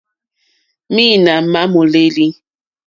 Mǐīnā má mòlêlì.